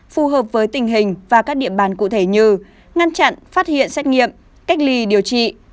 phù hợp với tình hình và các địa bàn cụ thể như ngăn chặn phát hiện xét nghiệm cách ly điều trị